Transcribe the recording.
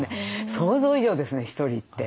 想像以上ですねひとりって。